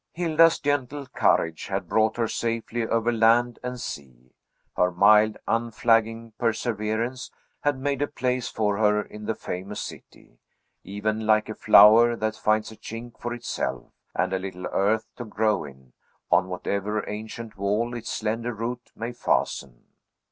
Hilda's gentle courage had brought her safely over land and sea; her mild, unflagging perseverance had made a place for her in the famous city, even like a flower that finds a chink for itself, and a little earth to grow in, on whatever ancient wall its slender roots may fasten.